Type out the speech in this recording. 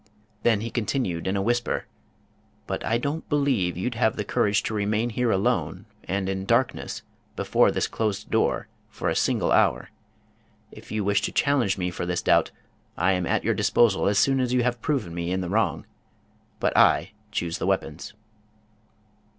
Then he continued in a whisper :" But I don't believe you'd have the courage to remain here alone and in darkness, before this closed door, for a single hour. If you wish to challenge me for this doubt, I am at your disposal as soon as you have proven me in the wrong. But I choose the weapons."